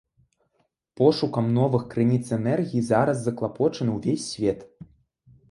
Пошукам новых крыніц энергіі зараз заклапочаны ўвесь свет.